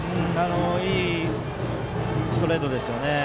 いいストレートですよね。